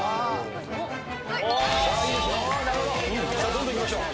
どんどんいきましょう。